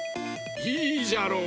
いいじゃろう。